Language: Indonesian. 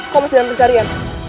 kompos dan pencarian